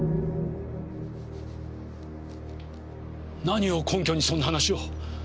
何を根拠にそんな話を？